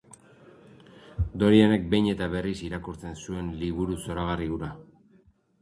Dorianek behin eta berriz irakurtzen zuen liburu zoragarri hura.